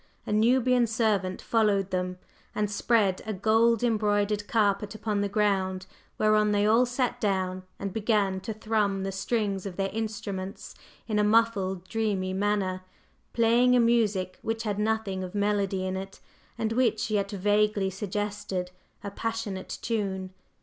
A Nubian servant followed them, and spread a gold embroidered carpet upon the ground, whereon they all sat down and began to thrum the strings of their instruments in a muffled, dreamy manner, playing a music which had nothing of melody in it, and which yet vaguely suggested a passionate tune.